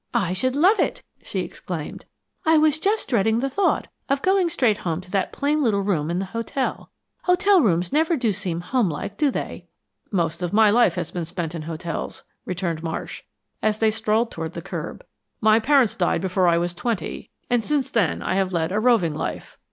"I should love it!" she exclaimed. "I was just dreading the thought of going straight home to that plain little room in the hotel. Hotel rooms never do seem homelike, do they?" "Most of my life has been spent in hotels," returned Marsh, as they strolled toward the curb. "My parents died before I was twenty, and since then I have led a roving life."